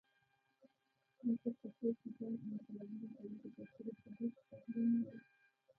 مصر په تېر کې ګڼ انقلابونه تجربه کړي، خو هېڅ بدلون نه و.